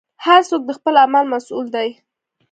هر څوک د خپل عمل مسوول دی.